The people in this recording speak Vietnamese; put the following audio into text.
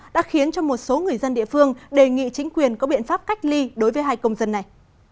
đã khiến cho một số người dân địa phương đề nghị chính quyền có biện pháp cách ly đối với hai công dân này